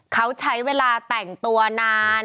เขาใช้เวลาแต่งตัวนาน